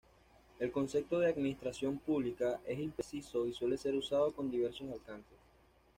El concepto de "administración pública" es impreciso y suele ser usado con diversos alcances.